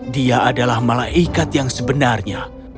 dia adalah malaikat yang sebenarnya